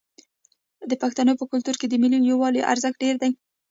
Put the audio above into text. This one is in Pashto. د پښتنو په کلتور کې د ملي یووالي ارزښت ډیر دی.